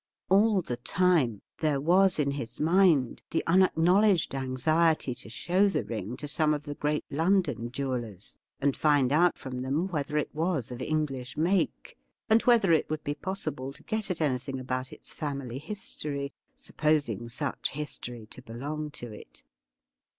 All the time there was in his mind the unacknowledged anxiety to show the ring to some of the great London jewellers, and find out from them whether it was of English make, and whether it would be possible to get at anything about its family history — supposing such history to belong to it.